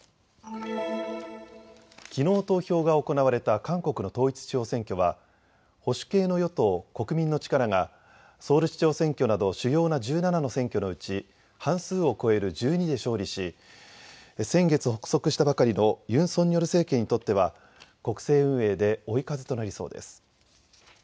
きのう投票が行われた韓国の統一地方選挙は保守系の与党、国民の力がソウル市長選挙など主要な１７の選挙のうち半数を超える１２で勝利し先月、発足したばかりのユン・ソンニョル政権にとっては国政運営で追い風となりそうです。